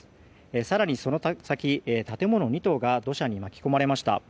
更にその先、建物２棟が土砂に巻き込まれました。